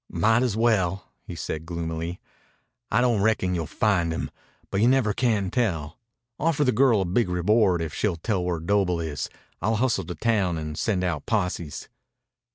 "Might as well," he said gloomily. "I don't reckon you'll find him. But you never can tell. Offer the girl a big reward if she'll tell where Doble is. I'll hustle to town and send out posses."